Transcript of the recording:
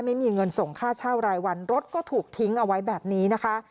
ไม่มีเงินส่งค่าเช่ารายวันรถก็ถูกทิ้งเอาไว้แบบนี้นะคะ